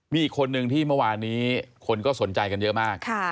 มีอีกคนนึงที่เมื่อวานนี้คนก็สนใจกันเยอะมาก